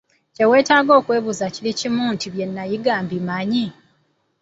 Kye weetaaga okwebuza kiri kimu nti: "Bye nayiga mbimanyi?"